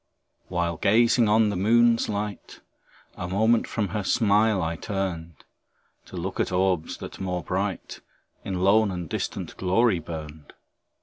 While gazing on the moon's light, A moment from her smile I turned, To look at orbs, that, more bright, In lone and distant glory burned.